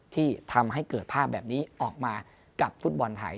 ที่ทำให้เกิดภาพแบบนี้ออกมากับฟุตบอลไทย